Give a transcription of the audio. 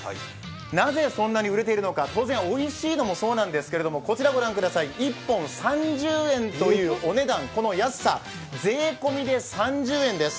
なぜそんなに売れているのか、当然おいしいのもそうなんですが１本３０円というお値段、この安さ税込みで３０円です。